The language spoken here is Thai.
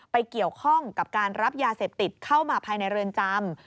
เกี่ยวข้องกับการรับยาเสพติดเข้ามาภายในเรือนจำ